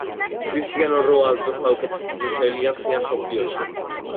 ქრისტიანო როალდო საუკეთესო ფეხბურთელია მთლიან მსოფლიოში